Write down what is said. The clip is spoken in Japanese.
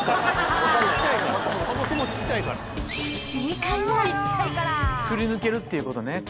分かんないそもそもちっちゃいからすり抜けるっていうことね